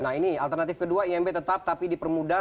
nah ini alternatif kedua imb tetap tapi dipermudah